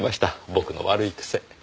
僕の悪い癖。